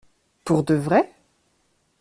Pour de vrai ?